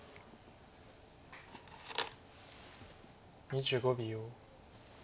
２５秒。